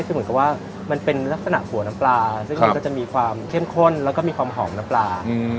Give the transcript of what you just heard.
ซึ่งเหมือนกับว่ามันเป็นลักษณะหัวน้ำปลาซึ่งมันก็จะมีความเข้มข้นแล้วก็มีความหอมน้ำปลา